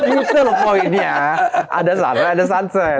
itu poinnya ada sunrise ada sunset